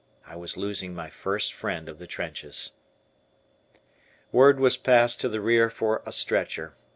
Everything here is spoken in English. I was losing my first friend of the trenches. Word was passed to the rear for a stretcher.